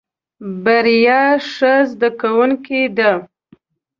بريا ښه زده کوونکی دی.